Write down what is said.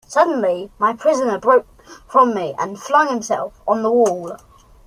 Suddenly my prisoner broke from me and flung himself on the wall.